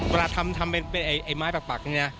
เวลาทำเป็นไอ้ไม้ปักนี่นะ